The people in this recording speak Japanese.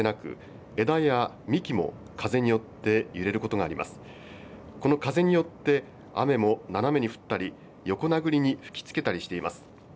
この風によって雨も斜めに降ったり横殴りに吹きつけたりしています。